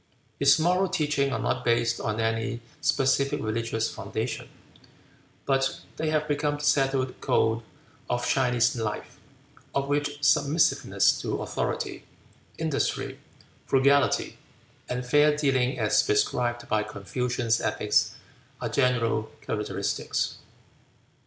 His moral teachings are not based on any specific religious foundation, but they have become the settled code of Chinese life, of which submissiveness to authority, industry, frugality, and fair dealing as prescribed by Confucian ethics are general characteristics.